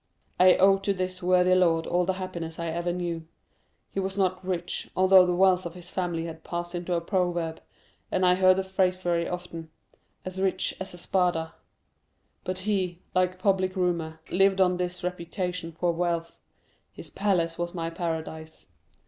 I owe to this worthy lord all the happiness I ever knew. He was not rich, although the wealth of his family had passed into a proverb, and I heard the phrase very often, 'As rich as a Spada.' But he, like public rumor, lived on this reputation for wealth; his palace was my paradise.